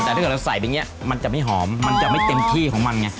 แต่ถ้าเกิดเราใส่ไปอย่างนี้มันจะไม่หอมมันจะไม่เต็มที่ของมันไง